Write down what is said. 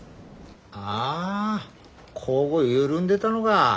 ああこご緩んでたのが。